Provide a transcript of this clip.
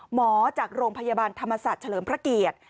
จากโรงพยาบาลธรรมศาสตร์เฉลิมพระเกียรติ